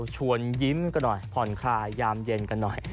ยิ้มกันหน่อยผ่อนคลายยามเย็นกันหน่อย